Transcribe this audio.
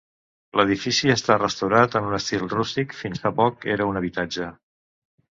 L'edifici està restaurat en un estil rústic, fins fa poc era un habitatge.